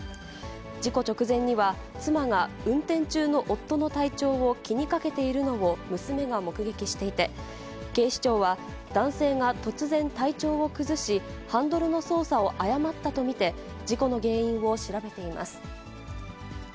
事故直前には、妻が運転中の夫の体調を気にかけているのを娘が目撃していて、警視庁は男性が突然、体調を崩し、ハンドルの操作を誤ったと見て、事故の原因を調べています。